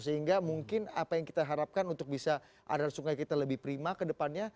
sehingga mungkin apa yang kita harapkan untuk bisa aliran sungai kita lebih prima ke depannya